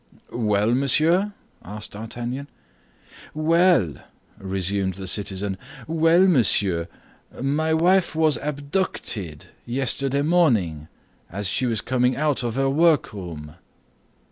"Well, monsieur?" asked D'Artagnan. "Well!" resumed the citizen, "well, monsieur, my wife was abducted yesterday morning, as she was coming out of her workroom."